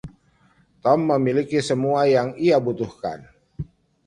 Tom memiliki semua yang ia butuhkan.